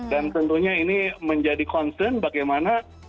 dan tentunya ini menjadi concern bagaimana